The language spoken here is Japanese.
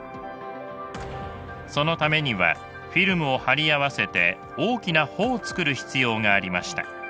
そのためにはフィルムを貼り合わせて大きな帆を作る必要がありました。